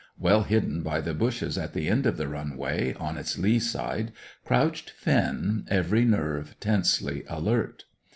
Well hidden by the bushes at the end of the run way, on its lee side, crouched Finn, every nerve tensely alert.